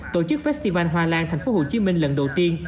tổ chức festival hoa lan tp hcm lần đầu tiên